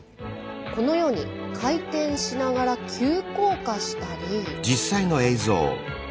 このように回転しながら急降下したり。